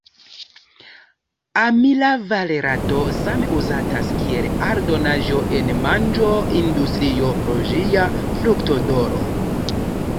Amila valerato same uzatas kiel aldonaĵo en manĝo-industrio pro ĝia fruktodoro.